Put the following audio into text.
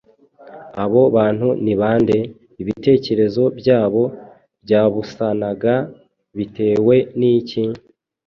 Abo bantu ni ba nde? Ibitekerezo byabo byabusanaga bitewe n’iki?